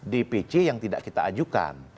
dpc yang tidak kita ajukan